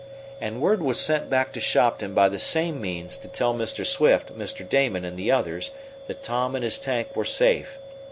And word was sent back to Shopton by the same means to tell Mr. Swift, Mr. Damon, and the others that Tom and his tank were safe.